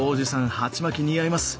鉢巻き似合います。